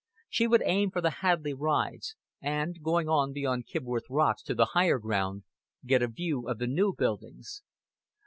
She would aim for the Hadleigh rides, and, going on beyond Kibworth Rocks to the higher ground, get a view of the new buildings.